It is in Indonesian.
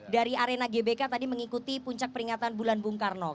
dari arena gbk tadi mengikuti puncak peringatan bulan bung karno